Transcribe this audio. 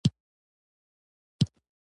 ستا ټنډه د کاړتوس لپاره نه ده پیدا شوې